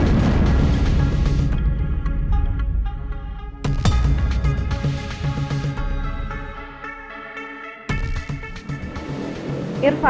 mas surya ada di mana